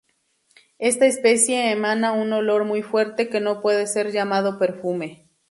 Esta especie emana un olor muy fuerte que no puede ser llamado perfume.